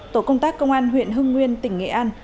tổ công tác công an huyện hưng nguyên tỉnh nghệ an